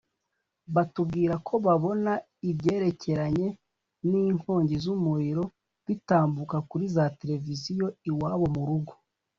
batubwira ko babona ibyerekeranye n’inkongi z’umuriro bitambuka kuri za tereviziyo iwabo mu rugo